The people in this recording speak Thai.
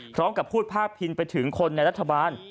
พร้อมกับพูดพาดพิงไปถึงคนในรัฐบาล